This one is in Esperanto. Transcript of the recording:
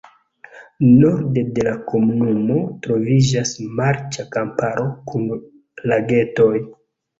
Norde de la komunumo troviĝas marĉa kamparo kun lagetoj.